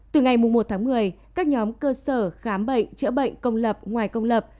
từ ngày một tháng một mươi các nhóm cơ sở khám bệnh chữa bệnh công lập ngoài công lập